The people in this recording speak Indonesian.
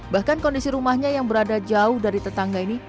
bahkan kondisi rumahnya yang berada jauh dari tetangga ini